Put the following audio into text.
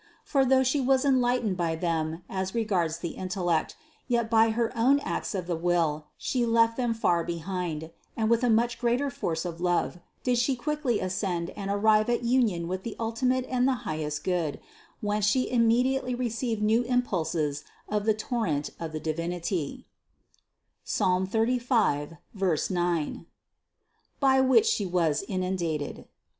For though She was enlightened by them as regards the intellect, yet by her own acts of the will She left them far behind, and with a much greater force of love did She quickly ascend and arrive at union with the ultimate and the highest Good, whence She im mediately received new impulses of the torrent of the Divinity (Psalm 35, 9) by which She was inundated.